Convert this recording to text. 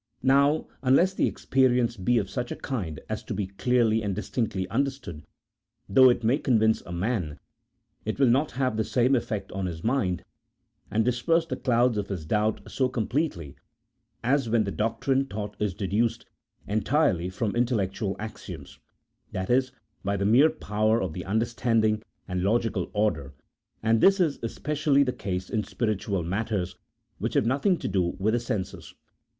Now unless the experience be of such a kind as to be clearly and distinctly understood, though it may convince a man, it will not have the same effect on his mind and dis perse the clouds of his doubt so completely as when the doctrine taught is deduced entirely from intellectual axioms — that is, by the mere power of the understanding and logical order, and this is especially the case in spiritual matters which have nothing to do with the senses.